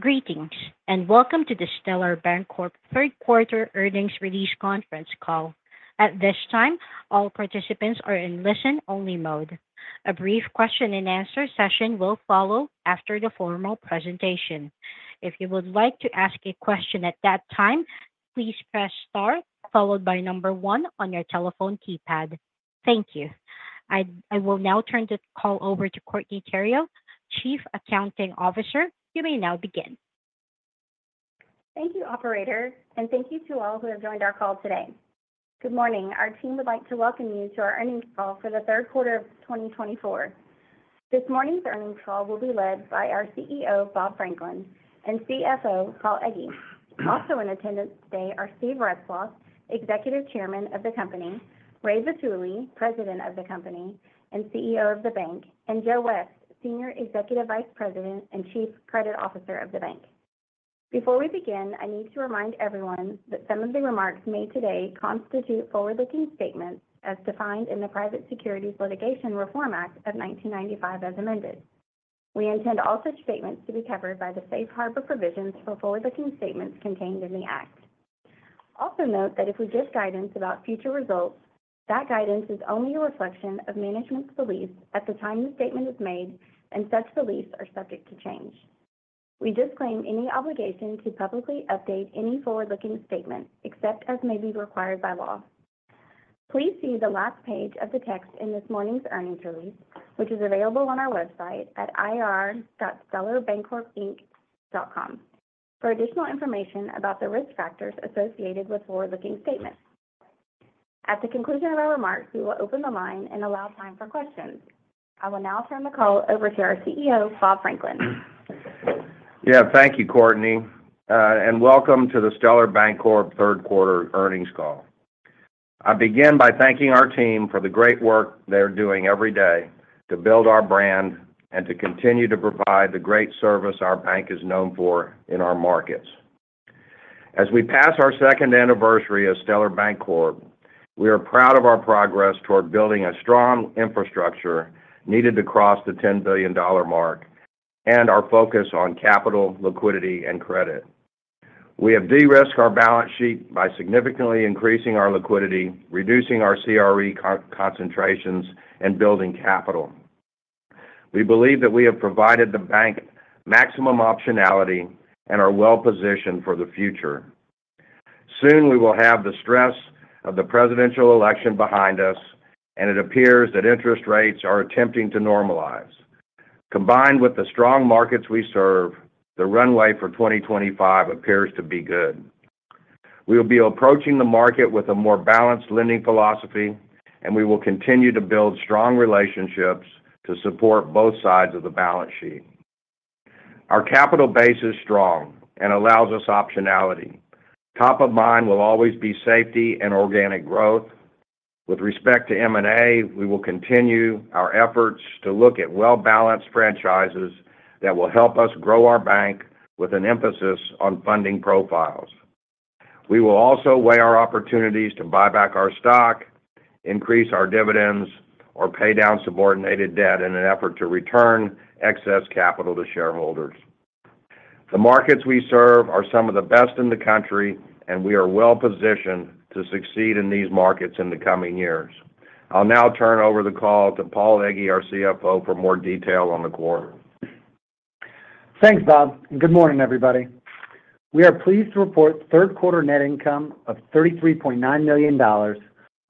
Greetings, and welcome to the Stellar Bancorp Third Quarter Earnings Release Conference Call. At this time, all participants are in listen-only mode. A brief question and answer session will follow after the formal presentation. If you would like to ask a question at that time, please press star followed by number one on your telephone keypad. Thank you. I will now turn this call over to Courtney Theriot, Chief Accounting Officer. You may now begin. Thank you, operator, and thank you to all who have joined our call today. Good morning. Our team would like to welcome you to our earnings call for the third quarter of 2024. This morning's earnings call will be led by our CEO, Bob Franklin, and CFO, Paul Egge. Also in attendance today are Steve Retzloff, Executive Chairman of the company; Ray Vitulli, President of the company and CEO of the bank; and Joe West, Senior Executive Vice President and Chief Credit Officer of the bank. Before we begin, I need to remind everyone that some of the remarks made today constitute forward-looking statements as defined in the Private Securities Litigation Reform Act of 1995, as amended. We intend all such statements to be covered by the Safe Harbor provisions for forward-looking statements contained in the Act. Also note that if we give guidance about future results, that guidance is only a reflection of management's beliefs at the time the statement is made, and such beliefs are subject to change. We disclaim any obligation to publicly update any forward-looking statements, except as may be required by law. Please see the last page of the text in this morning's earnings release, which is available on our website at ir.stellarbancorpinc.com for additional information about the risk factors associated with forward-looking statements. At the conclusion of our remarks, we will open the line and allow time for questions. I will now turn the call over to our CEO, Bob Franklin. Yeah. Thank you, Courtney, and welcome to the Stellar Bancorp Third Quarter Earnings Call. I begin by thanking our team for the great work they're doing every day to build our brand and to continue to provide the great service our bank is known for in our markets. As we pass our second anniversary as Stellar Bancorp, we are proud of our progress toward building a strong infrastructure needed to cross the $10 billion mark and our focus on capital, liquidity, and credit. We have de-risked our balance sheet by significantly increasing our liquidity, reducing our CRE concentrations, and building capital. We believe that we have provided the bank maximum optionality and are well-positioned for the future. Soon, we will have the stress of the presidential election behind us, and it appears that interest rates are attempting to normalize. Combined with the strong markets we serve, the runway for 2025 appears to be good. We will be approaching the market with a more balanced lending philosophy, and we will continue to build strong relationships to support both sides of the balance sheet. Our capital base is strong and allows us optionality. Top of mind will always be safety and organic growth. With respect to M&A, we will continue our efforts to look at well-balanced franchises that will help us grow our bank with an emphasis on funding profiles. We will also weigh our opportunities to buy back our stock, increase our dividends, or pay down subordinated debt in an effort to return excess capital to shareholders. The markets we serve are some of the best in the country, and we are well-positioned to succeed in these markets in the coming years. I'll now turn over the call to Paul Egge, our CFO, for more detail on the quarter. Thanks, Bob, and good morning, everybody. We are pleased to report third quarter net income of $33.9 million or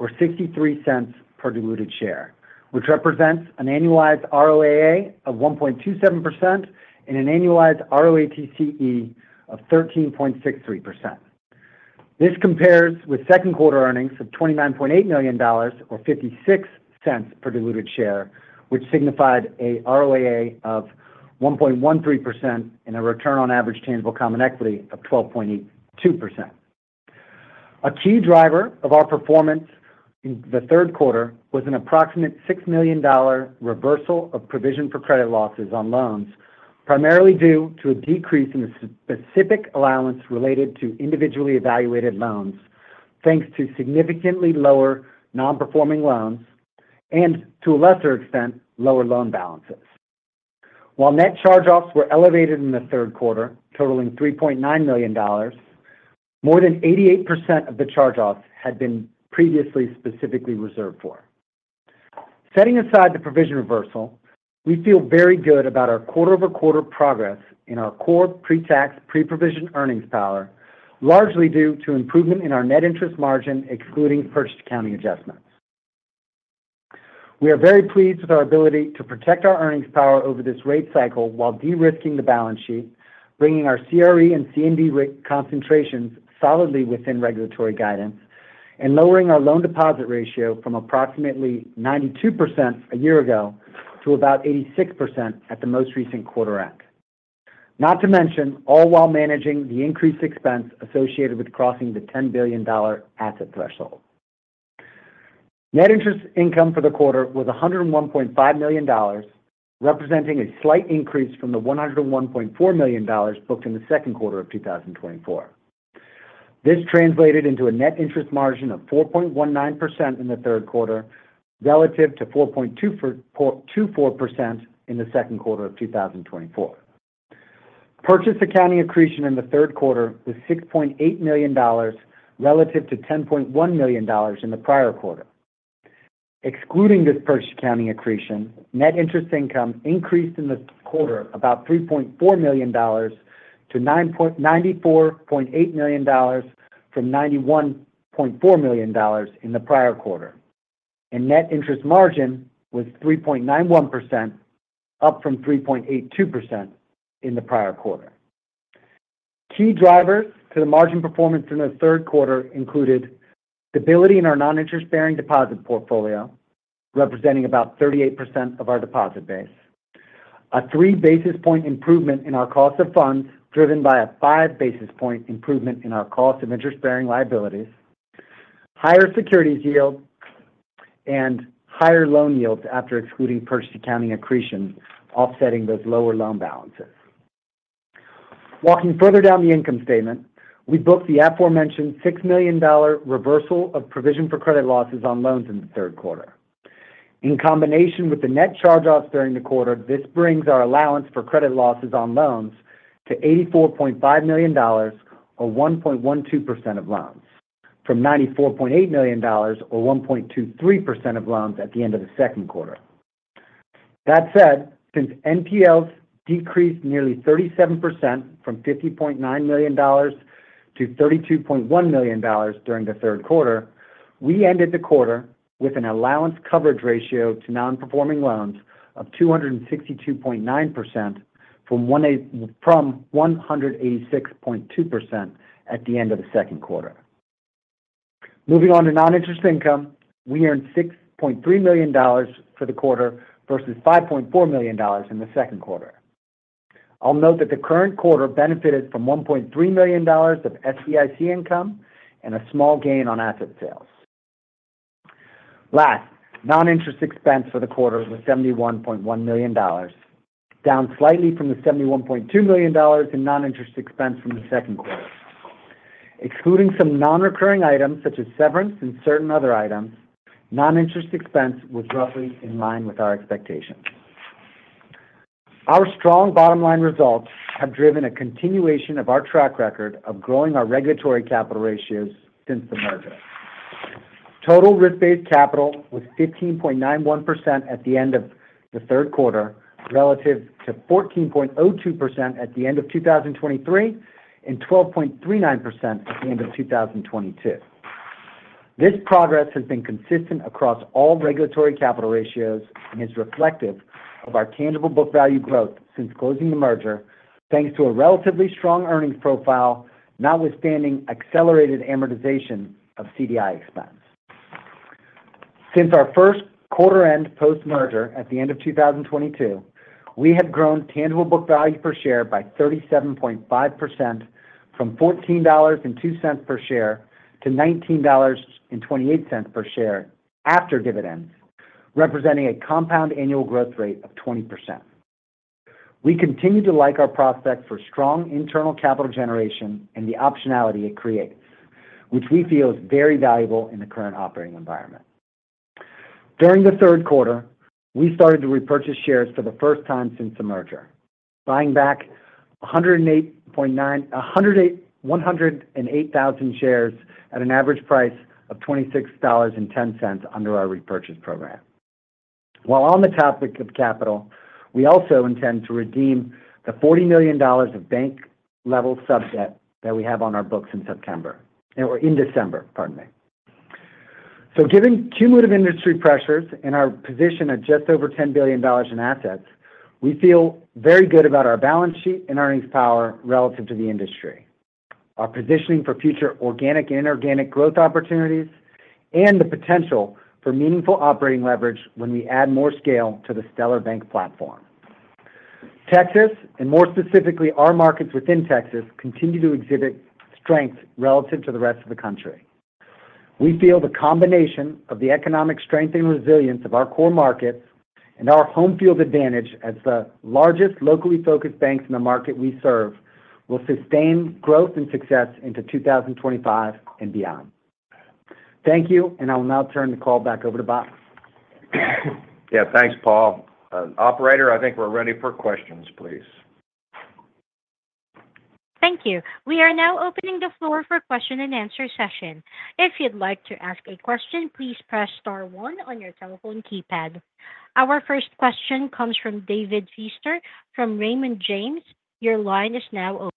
$0.63 per diluted share, which represents an annualized ROAA of 1.27% and an annualized ROATCE of 13.63%. This compares with second quarter earnings of $29.8 million, or $0.56 per diluted share, which signified a ROAA of 1.13% and a return on average tangible common equity of 12.82%. A key driver of our performance in the third quarter was an approximate $6 million reversal of provision for credit losses on loans, primarily due to a decrease in the specific allowance related to individually evaluated loans, thanks to significantly lower non-performing loans and, to a lesser extent, lower loan balances. While net charge-offs were elevated in the third quarter, totaling $3.9 million, more than 88% of the charge-offs had been previously specifically reserved for. Setting aside the provision reversal, we feel very good about our quarter-over-quarter progress in our core pre-tax, pre-provision earnings power, largely due to improvement in our net interest margin, excluding purchase accounting adjustments. We are very pleased with our ability to protect our earnings power over this rate cycle while de-risking the balance sheet, bringing our CRE and C&D risk concentrations solidly within regulatory guidance, and lowering our loan-to-deposit ratio from approximately 92% a year ago to about 86% at the most recent quarter-end. Not to mention, all while managing the increased expense associated with crossing the $10 billion asset threshold. Net interest income for the quarter was $101.5 million, representing a slight increase from the $101.4 million booked in the second quarter of 2024. This translated into a net interest margin of 4.19% in the third quarter, relative to 4.24% in the second quarter of 2024. Purchase accounting accretion in the third quarter was $6.8 million, relative to $10.1 million in the prior quarter. Excluding this purchase accounting accretion, net interest income increased in the quarter about $3.4 million to $94.8 million, from $91.4 million in the prior quarter. Net interest margin was 3.91%, up from 3.82% in the prior quarter. Key drivers to the margin performance in the third quarter included stability in our non-interest bearing deposit portfolio, representing about 38% of our deposit base. A three basis point improvement in our cost of funds, driven by a five basis point improvement in our cost of interest-bearing liabilities. Higher securities yields, and higher loan yields after excluding purchase accounting accretion, offsetting those lower loan balances. Walking further down the income statement, we booked the aforementioned $6 million reversal of provision for credit losses on loans in the third quarter. In combination with the net charge-offs during the quarter, this brings our allowance for credit losses on loans to $84.5 million or 1.12% of loans, from $94.8 million or 1.23% of loan at the end of the second quarter. That said, since NPLs decreased nearly 37% from $50.9 million to $32.1 million during the third quarter, we ended the quarter with an allowance coverage ratio to non-performing loans of 262.9% from 186.2% at the end of the second quarter. Moving on to non-interest income, we earned $6.3 million for the quarter versus $5.4 million in the second quarter. I'll note that the current quarter benefited from $1.3 million of FDIC income and a small gain on asset sales. Last, non-interest expense for the quarter was $71.1 million, down slightly from the $71.2 million in non-interest expense from the second quarter. Excluding some non-recurring items such as severance and certain other items, non-interest expense was roughly in line with our expectations. Our strong bottom line results have driven a continuation of our track record of growing our regulatory capital ratios since the merger. Total risk-based capital was 15.91% at the end of the third quarter, relative to 14.02% at the end of 2023, and 12.39% at the end of 2022. This progress has been consistent across all regulatory capital ratios and is reflective of our tangible book value growth since closing the merger, thanks to a relatively strong earnings profile, notwithstanding accelerated amortization of CDI expense. Since our first quarter end post-merger at the end of 2022, we have grown tangible book value per share by 37.5% from $14.02 per share to $19.28 per share after dividends, representing a compound annual growth rate of 20%. We continue to like our prospects for strong internal capital generation and the optionality it creates, which we feel is very valuable in the current operating environment. During the third quarter, we started to repurchase shares for the first time since the merger, buying back 108,000 shares at an average price of $26.10 under our repurchase program. While on the topic of capital, we also intend to redeem the $40 million of bank level sub debt that we have on our books in September, in December, pardon me. Given cumulative industry pressures and our position of just over $10 billion in assets, we feel very good about our balance sheet and earnings power relative to the industry. Our positioning for future organic and inorganic growth opportunities and the potential for meaningful operating leverage when we add more scale to the Stellar Bank platform. Texas, and more specifically, our markets within Texas, continue to exhibit strength relative to the rest of the country. We feel the combination of the economic strength and resilience of our core markets and our home field advantage as the largest locally focused banks in the market we serve, will sustain growth and success into 2025 and beyond. Thank you, and I will now turn the call back over to Bob. Yeah, thanks, Paul. Operator, I think we're ready for questions, please. Thank you. We are now opening the floor for question and answer session. If you'd like to ask a question, please press star one on your telephone keypad. Our first question comes from David Feaster from Raymond James. Your line is now open.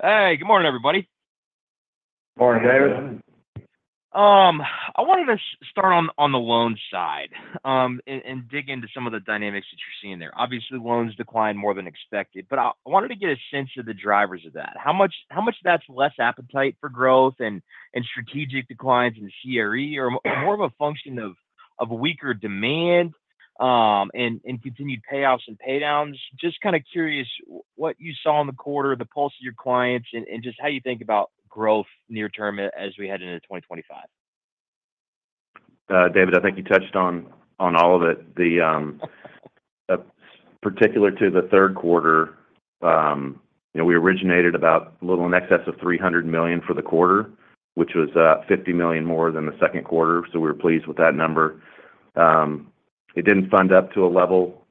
Hey, good morning, everybody. Morning, David. I wanted to start on the loan side, and dig into some of the dynamics that you're seeing there. Obviously, loans declined more than expected, but I wanted to get a sense of the drivers of that. How much of that's less appetite for growth and strategic declines in the CRE, or more of a function of weaker demand, and continued payoffs and pay downs? Just kind of curious what you saw in the quarter, the pulse of your clients, and just how you think about growth near term as we head into 2025? David, I think you touched on all of it. The particular to the third quarter, you know, we originated about a little in excess of $300 million for the quarter, which was $50 million more than the second quarter, so we're pleased with that number. It didn't fund up to a level,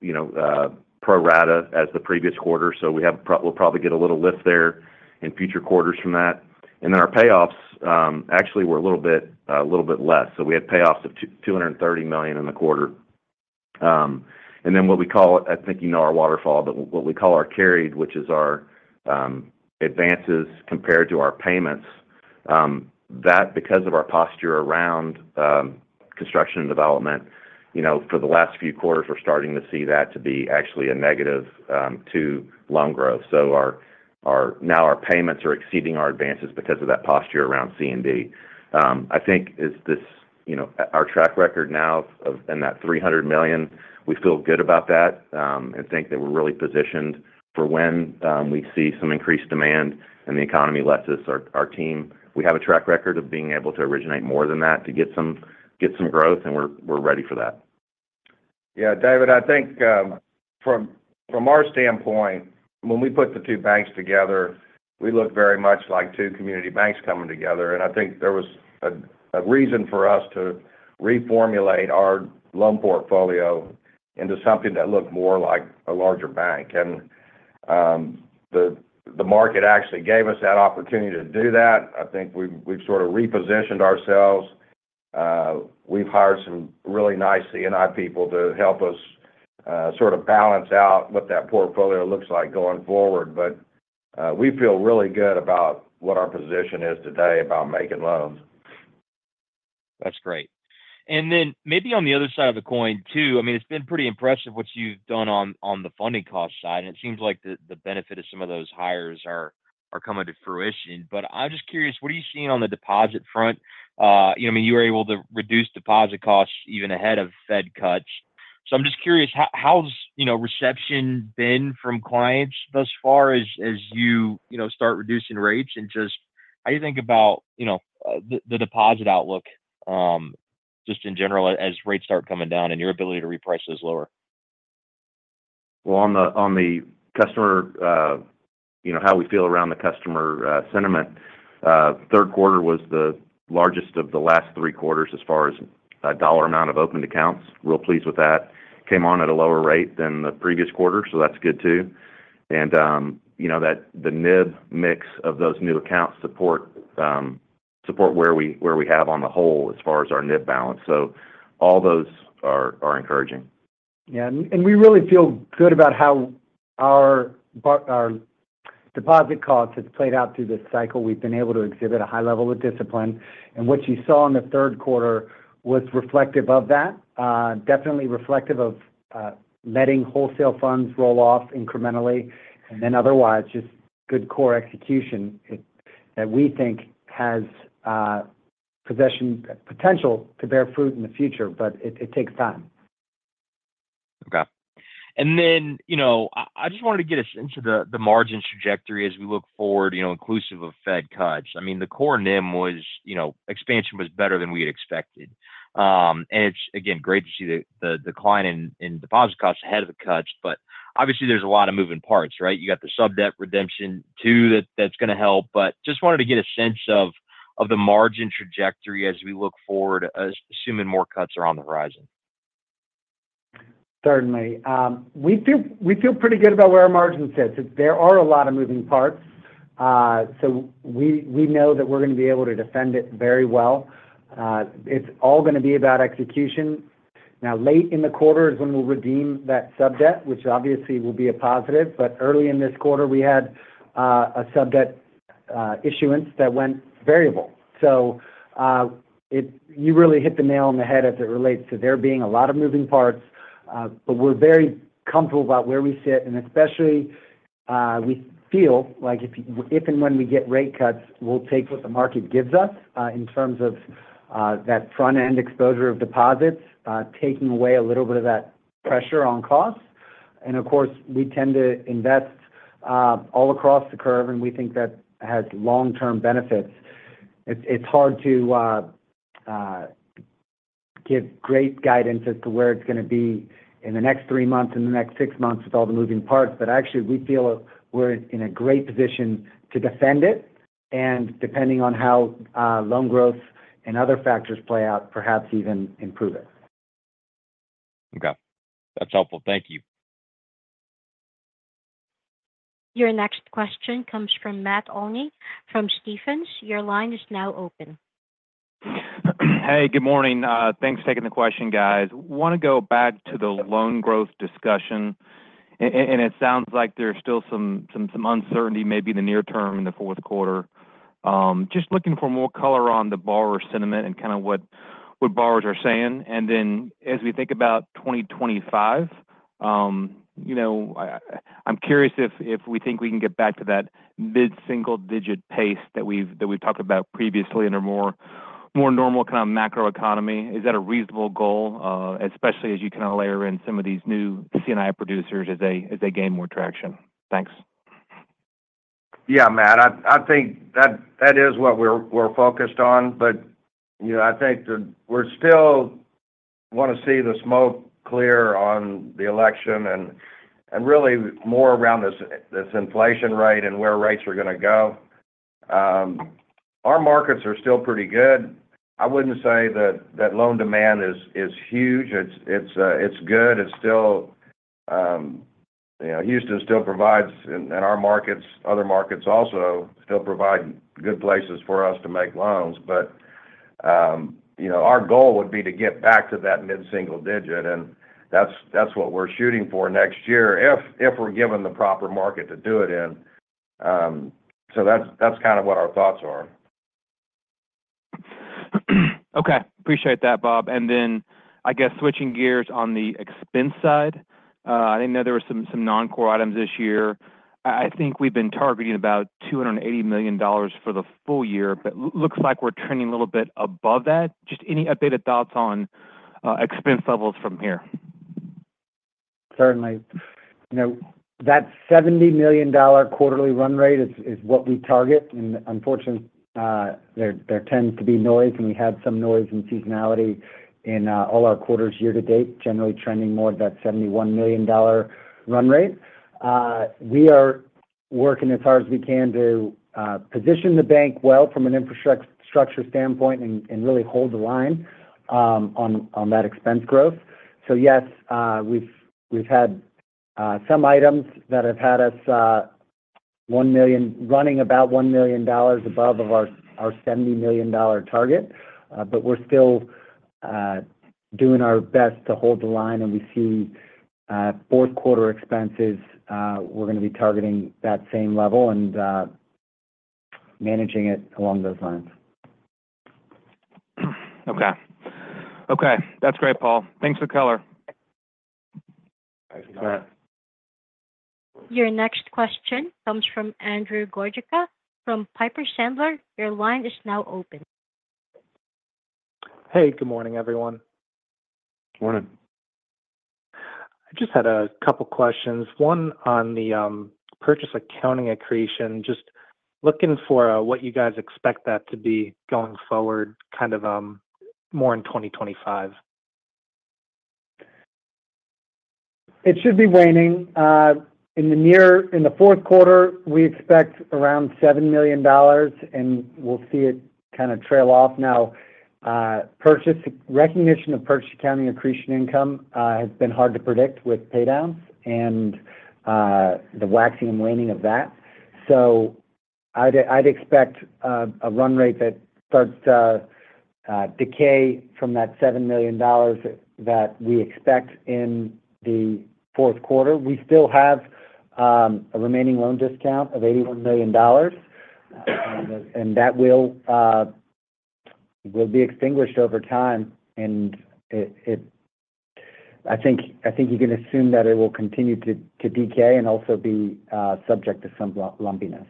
you know, pro rata as the previous quarter, so we have. We'll probably get a little lift there in future quarters from that. And then our payoffs actually were a little bit less, so we had payoffs of $230 million in the quarter. And then what we call, I think you know our waterfall, but what we call our carried, which is our advances compared to our payments. That because of our posture around construction and development, you know, for the last few quarters, we're starting to see that to be actually a negative to loan growth. So now our payments are exceeding our advances because of that posture around C&D. I think is this, you know, our track record now of, in that $300 million, we feel good about that and think that we're really positioned for when we see some increased demand and the economy lets us. Our team, we have a track record of being able to originate more than that, to get some growth, and we're ready for that. Yeah, David, I think from our standpoint, when we put the two banks together, we looked very much like two community banks coming together, and I think there was a reason for us to reformulate our loan portfolio into something that looked more like a larger bank. And the market actually gave us that opportunity to do that. I think we've sort of repositioned ourselves. We've hired some really nice C&I people to help us sort of balance out what that portfolio looks like going forward. But we feel really good about what our position is today about making loans. That's great. And then maybe on the other side of the coin, too, I mean, it's been pretty impressive what you've done on the funding cost side, and it seems like the benefit of some of those hires are coming to fruition. But I'm just curious, what are you seeing on the deposit front? You know, I mean, you were able to reduce deposit costs even ahead of Fed cuts. So I'm just curious, how's, you know, reception been from clients thus far as you you know, start reducing rates? And just how do you think about, you know, the deposit outlook just in general, as rates start coming down and your ability to reprice those lower? Well, on the, on the customer, you know, how we feel around the customer sentiment. Third quarter was the largest of the last three quarters as far as dollar amount of opened accounts. Real pleased with that. Came on at a lower rate than the previous quarter, so that's good, too. And, you know, that the NIB mix of those new accounts support where we have on the whole, as far as our NIB balance, so all those are encouraging. Yeah, and we really feel good about how our deposit costs have played out through this cycle. We've been able to exhibit a high level of discipline, and what you saw in the third quarter was reflective of that. Definitely reflective of letting wholesale funds roll off incrementally, and then otherwise, just good core execution that we think has potential to bear fruit in the future, but it takes time. Okay. And then, you know, I just wanted to get a sense of the margin trajectory as we look forward, you know, inclusive of Fed cuts. I mean, the core NIM was, you know, expansion was better than we had expected. And it's, again, great to see the decline in deposit costs ahead of the cuts, but obviously, there's a lot of moving parts, right? You got the sub debt redemption, too, that's going to help, but just wanted to get a sense of the margin trajectory as we look forward, assuming more cuts are on the horizon. Certainly. We feel pretty good about where our margin sits. There are a lot of moving parts, so we know that we're going to be able to defend it very well. It's all going to be about execution. Now, late in the quarter is when we'll redeem that sub debt, which obviously will be a positive, but early in this quarter, we had a sub debt issuance that went variable. So, you really hit the nail on the head as it relates to there being a lot of moving parts, but we're very comfortable about where we sit, and especially, we feel like if and when we get rate cuts, we'll take what the market gives us in terms of that front-end exposure of deposits taking away a little bit of that pressure on costs, and of course, we tend to invest all across the curve, and we think that has long-term benefits. It's hard to give great guidance as to where it's going to be in the next three months, in the next six months with all the moving parts, but actually, we feel we're in a great position to defend it, and depending on how loan growth and other factors play out, perhaps even improve it. Okay. That's helpful. Thank you. Your next question comes from Matt Olney from Stephens. Your line is now open. Hey, good morning. Thanks for taking the question, guys. Want to go back to the loan growth discussion, and it sounds like there's still some uncertainty, maybe in the near term, in the fourth quarter. Just looking for more color on the borrower sentiment and kind of what borrowers are saying. And then, as we think about 2025, you know, I'm curious if we think we can get back to that mid-single digit pace that we've talked about previously in a more normal kind of macroeconomy. Is that a reasonable goal? Especially as you kind of layer in some of these new C&I producers as they gain more traction. Thanks. Yeah, Matt, I think that is what we're focused on. You know, I think that we're still wanna see the smoke clear on the election and really more around this inflation rate and where rates are gonna go. Our markets are still pretty good. I wouldn't say that loan demand is huge. It's good. It's still, you know, Houston still provides and our markets, other markets also still provide good places for us to make loans. But, you know, our goal would be to get back to that mid-single digit, and that's what we're shooting for next year, if we're given the proper market to do it in. So that's kind of what our thoughts are. Okay. Appreciate that, Bob. And then, I guess, switching gears on the expense side, I know there were some non-core items this year. I think we've been targeting about $280 million for the full year, but looks like we're trending a little bit above that. Just any updated thoughts on expense levels from here? Certainly. You know, that $70 million quarterly run rate is what we target, and unfortunately, there tends to be noise, and we had some noise and seasonality in all our quarters year-to-date, generally trending more at that $71 million run rate. We are working as hard as we can to position the bank well from an infrastructure standpoint and really hold the line on that expense growth. So yes, we've had some items that have had us running about $1 million above our $70 million target. But we're still doing our best to hold the line, and we see fourth quarter expenses, we're gonna be targeting that same level and managing it along those lines. Okay. Okay, that's great, Paul. Thanks for color. Thanks, Matt. Your next question comes from Andrew Gorczyca from Piper Sandler. Your line is now open. Hey, good morning, everyone. Morning. I just had a couple questions, one on the purchase accounting accretion. Just looking for what you guys expect that to be going forward, kind of more in 2025. It should be waning. In the fourth quarter, we expect around $7 million, and we'll see it kind of trail off. Now, purchase recognition of purchase accounting accretion income has been hard to predict with pay downs and the waxing and waning of that. So I'd expect a run rate that starts to decay from that $7 million that we expect in the fourth quarter. We still have a remaining loan discount of $81 million, and that will be extinguished over time, and I think you can assume that it will continue to decay and also be subject to some lumpiness.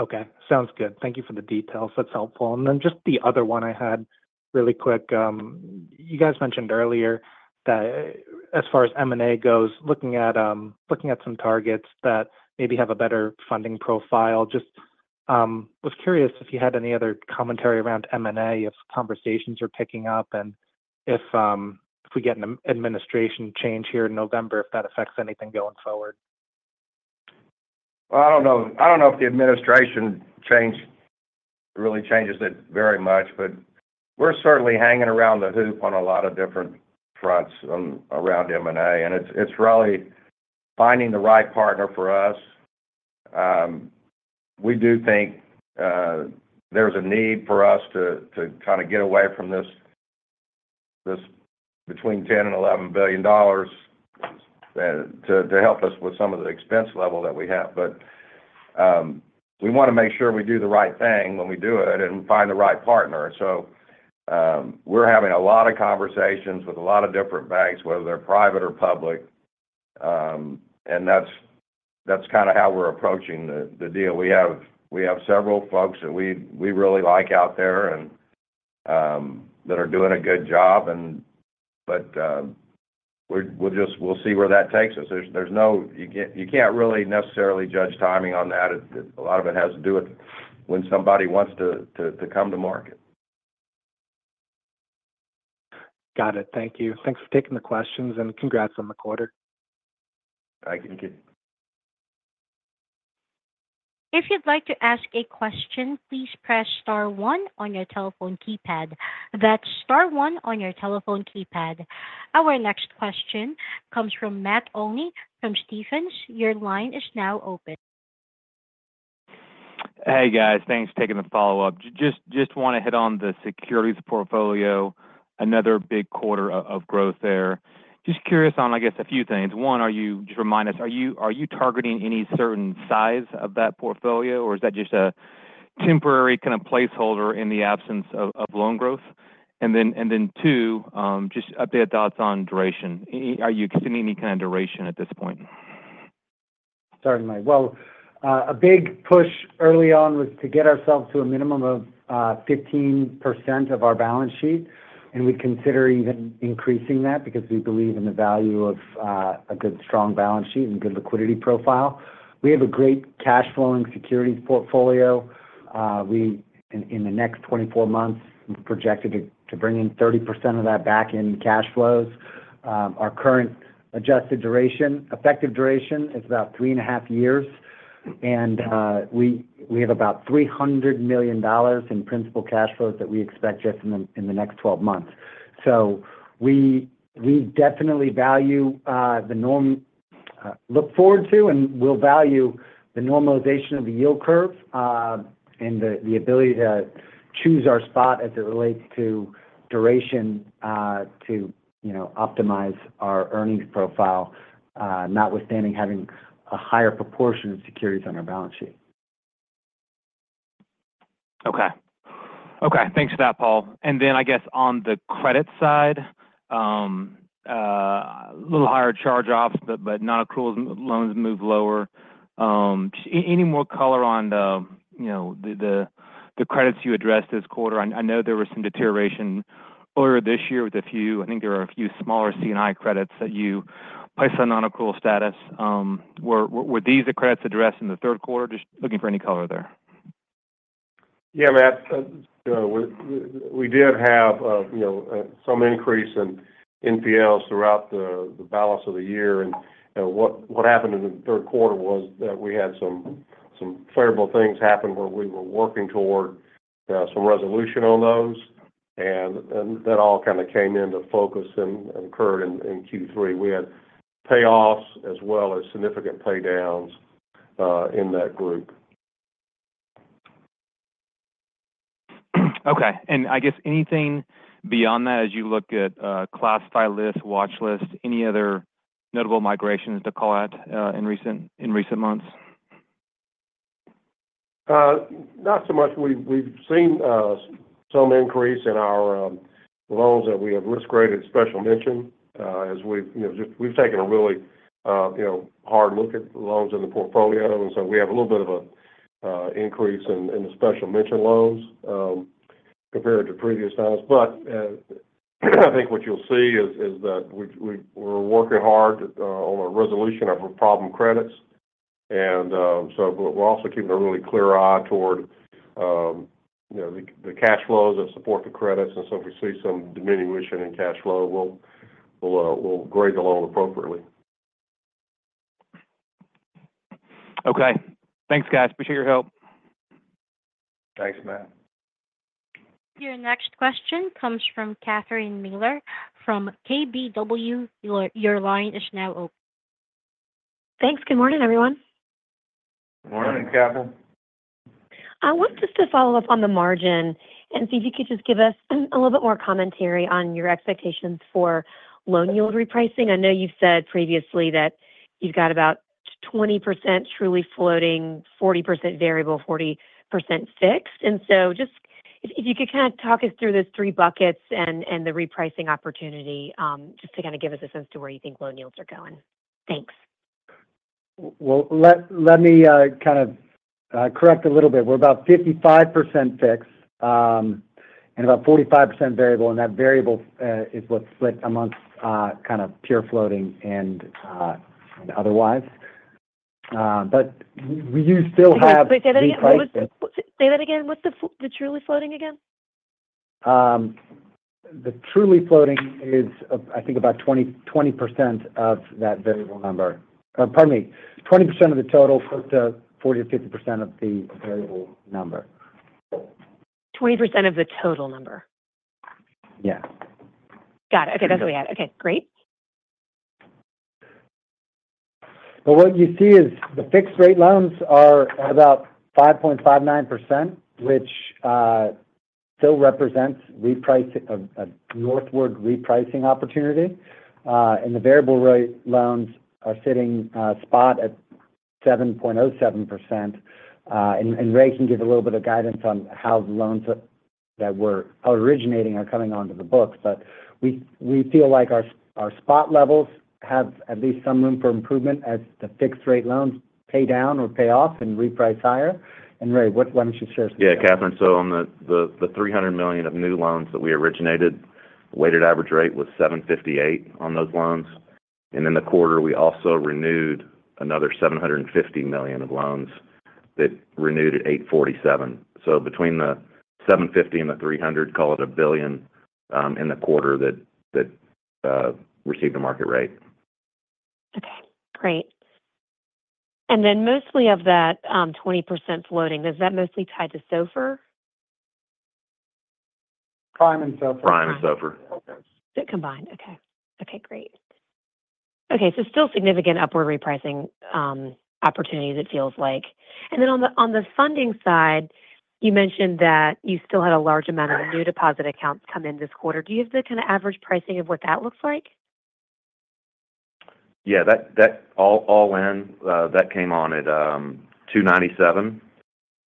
Okay. Sounds good. Thank you for the details. That's helpful. And then just the other one I had really quick. You guys mentioned earlier that as far as M&A goes, looking at some targets that maybe have a better funding profile. Just was curious if you had any other commentary around M&A, if conversations are picking up, and if we get an administration change here in November, if that affects anything going forward? I don't know. I don't know if the administration change really changes it very much, but we're certainly hanging around the hoop on a lot of different fronts around M&A, and it's really finding the right partner for us. We do think there's a need for us to kind of get away from this between $10 billion and $11 billion to help us with some of the expense level that we have. But we want to make sure we do the right thing when we do it and find the right partner. So we're having a lot of conversations with a lot of different banks, whether they're private or public. And that's kind of how we're approaching the deal. We have several folks that we really like out there and that are doing a good job, but we'll just see where that takes us. You can't really necessarily judge timing on that. A lot of it has to do with when somebody wants to come to market. Got it. Thank you. Thanks for taking the questions, and congrats on the quarter. Thank you. If you'd like to ask a question, please press star one on your telephone keypad. That's star one on your telephone keypad. Our next question comes from Matt Olney from Stephens. Your line is now open. Hey, guys. Thanks for taking the follow-up. Just want to hit on the securities portfolio, another big quarter of growth there. Just curious on, I guess, a few things. One, just remind us, are you targeting any certain size of that portfolio, or is that just a temporary kind of placeholder in the absence of loan growth? And then two, just updated thoughts on duration. Are you considering any kind of duration at this point? Sorry, Matt. Well, a big push early on was to get ourselves to a minimum of 15% of our balance sheet, and we consider even increasing that because we believe in the value of a good, strong balance sheet and good liquidity profile. We have a great cash flowing securities portfolio. We, in the next 24 months, we've projected to bring in 30% of that back in cash flows. Our current adjusted duration, effective duration is about 3.5 years, and we have about $300 million in principal cash flows that we expect just in the next 12 months. So we definitely value, look forward to and will value the normalization of the yield curve, and the ability to choose our spot as it relates to duration, to you know, optimize our earnings profile, notwithstanding having a higher proportion of securities on our balance sheet. Okay. Okay, thanks for that, Paul. And then I guess on the credit side, a little higher charge-offs, but nonaccrual loans move lower. Any more color on the, you know, the credits you addressed this quarter? I know there was some deterioration earlier this year with a few-- I think there were a few smaller C&I credits that you placed on nonaccrual status. Were these the credits addressed in the third quarter? Just looking for any color there. Yeah, Matt, you know, we did have some increase in NPLs throughout the balance of the year. What happened in the third quarter was that we had some favorable things happen where we were working toward some resolution on those, and that all kind of came into focus and occurred in Q3. We had payoffs as well as significant pay downs in that group. Okay. And I guess anything beyond that as you look at classified loans, watchlist, any other notable migrations to call out in recent months? Not so much. We've seen some increase in our loans that we have risk-graded special mention. As we've, you know, we've taken a really, you know, hard look at the loans in the portfolio, and so we have a little bit of a increase in the special mention loans compared to previous times. But I think what you'll see is that we we're working hard on a resolution of our problem credits. And so but we're also keeping a really clear eye toward you know, the cash flows that support the credits. And so if we see some diminution in cash flow, we'll grade the loan appropriately. Okay. Thanks, guys. Appreciate your help. Thanks, Matt. Your next question comes from Catherine Mealor from KBW. Your line is now open. Thanks. Good morning, everyone. Morning, Catherine. I want just to follow up on the margin and see if you could just give us a little bit more commentary on your expectations for loan yield repricing. I know you've said previously that you've got about 20% truly floating, 40% variable, 40% fixed. So just if you could kind of talk us through those three buckets and the repricing opportunity, just to kind of give us a sense to where you think loan yields are going? Thanks. Let me kind of correct a little bit. We're about 55% fixed, and about 45% variable, and that variable is what's split amongst kind of pure floating and otherwise. But we do still have- Wait, say that again? What was the... Say that again. What's the f- the truly floating again? The truly floating is, I think about 20% of that variable number. Pardon me, 20% of the total, so it's 40%-50% of the variable number. 20% of the total number? Yes. Got it. Okay, that's what we had. Okay, great. But what you see is the fixed-rate loans are about 5.59%, which still represents repricing, a northward repricing opportunity. And the variable rate loans are sitting spot at 7.07%. And Ray can give a little bit of guidance on how the loans that we're originating are coming onto the books. But we feel like our spot levels have at least some room for improvement as the fixed-rate loans pay down or pay off and reprice higher. And, Ray, what, why don't you share some- Yeah, Catherine, so on the $300 million of new loans that we originated, weighted average rate was 7.58% on those loans. And in the quarter, we also renewed another $750 million of loans that renewed at 8.47%. So between the $750 million and $300 million, call it $1 billion, in the quarter that received a market rate. Okay, great. And then mostly of that, 20% floating, is that mostly tied to SOFR? Prime and SOFR. Prime and SOFR. So combined. Okay. Okay, great. Okay, so still significant upward repricing, opportunities it feels like. And then on the funding side, you mentioned that you still had a large amount of new deposit accounts come in this quarter. Do you have the kind of average pricing of what that looks like? Yeah, that all in, that came on at 297,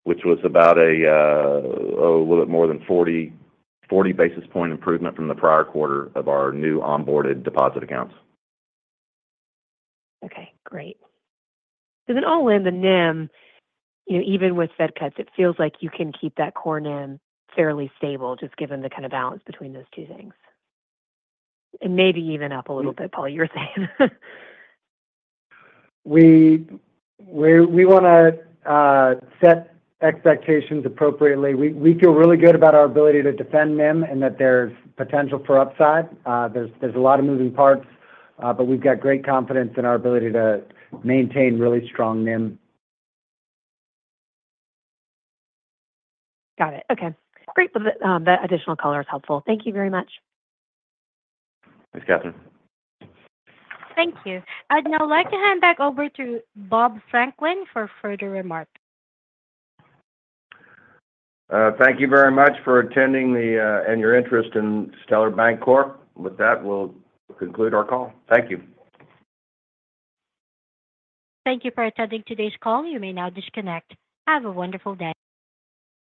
which was about a little bit more than 40 basis point improvement from the prior quarter of our new onboarded deposit accounts. Okay, great. So then all in, the NIM, you know, even with Fed cuts, it feels like you can keep that core NIM fairly stable, just given the kind of balance between those two things. And maybe even up a little bit, Paul, you were saying? We wanna set expectations appropriately. We feel really good about our ability to defend NIM and that there's potential for upside. There's a lot of moving parts, but we've got great confidence in our ability to maintain really strong NIM. Got it. Okay, great. That additional color is helpful. Thank you very much. Thanks, Catherine. Thank you. I'd now like to hand back over to Bob Franklin for further remarks. Thank you very much for attending the, and your interest in Stellar Bancorp. With that, we'll conclude our call. Thank you. Thank you for attending today's call. You may now disconnect. Have a wonderful day.